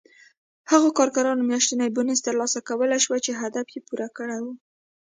هغو کارګرانو میاشتنی بونېس ترلاسه کولای شوای چې هدف یې پوره کړی و